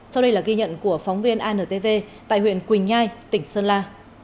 sau đây là ghi nhận của phóng viên antv tại huyện quỳnh nhai tỉnh sơn la